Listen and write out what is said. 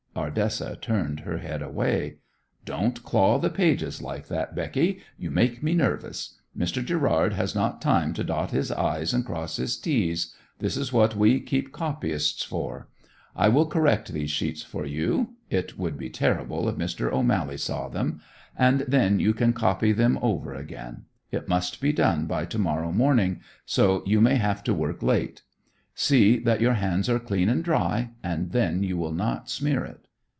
Ardessa turned her head away. "Don't claw the pages like that, Becky. You make me nervous. Mr. Gerrard has not time to dot his i's and cross his t's. That is what we keep copyists for. I will correct these sheets for you, it would be terrible if Mr. O'Mally saw them, and then you can copy them over again. It must be done by to morrow morning, so you may have to work late. See that your hands are clean and dry, and then you will not smear it."